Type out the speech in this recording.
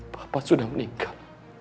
papa sudah meninggal